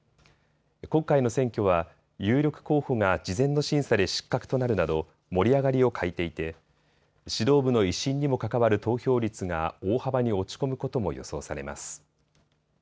今回の選挙は有力候補が事前の審査で失格となるなど盛り上がりを欠いていて指導部の威信にも関わる投票率が大幅に落ち込むことも予想されます。